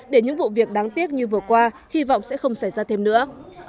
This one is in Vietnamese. để những vụ việc đáng tiếc như vừa qua hy vọng sẽ không xảy ra thêm nữa